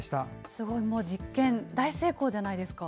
すごい、実験、大成功じゃないですか。